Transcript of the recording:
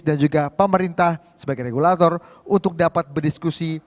dan juga pemerintah sebagai regulator untuk dapat berdiskusi